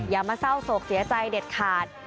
อย่ามาเศร้าโศกเสียใจเด็ดขาด